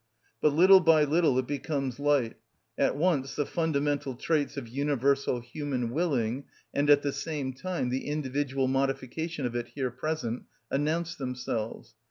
But little by little it becomes light: at once the fundamental traits of universal human willing, and, at the same time, the individual modification of it here present, announce themselves.